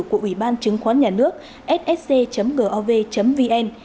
của ủy ban chứng khoán nhà nước ssc gov vn